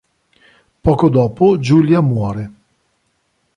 Poco dopo Julia muore.